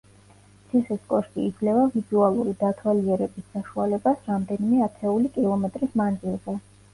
ციხის კოშკი იძლევა ვიზუალური დათვალიერების საშუალებას რამდენიმე ათეული კილომეტრის მანძილზე.